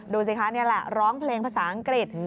ดูสิคะนี่แหละร้องเพลงภาษาอังกฤษ